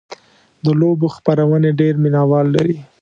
د لوبو خپرونې ډېر مینهوال لري.